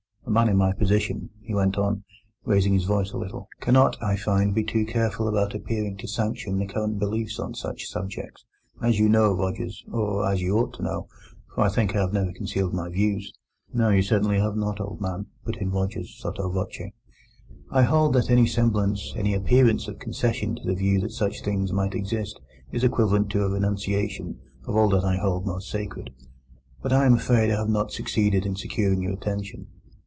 A man in my position," he went on, raising his voice a little, "cannot, I find, be too careful about appearing to sanction the current beliefs on such subjects. As you know, Rogers, or as you ought to know; for I think I have never concealed my views—" "No, you certainly have not, old man," put in Rogers sotto voce. "—I hold that any semblance, any appearance of concession to the view that such things might exist is equivalent to a renunciation of all that I hold most sacred. But I'm afraid I have not succeeded in securing your attention."